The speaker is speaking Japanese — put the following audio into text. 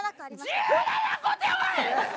１７個っておい！